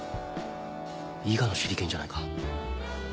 伊賀の手裏剣じゃないか。